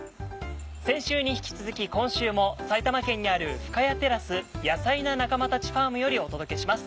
先週に引き続き今週も埼玉県にある深谷テラスヤサイな仲間たちファームよりお届けします。